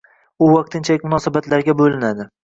U vaqtinchalik munosabatlarga bo'linadi